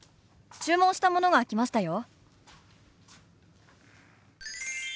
注文したものが来ましたよ。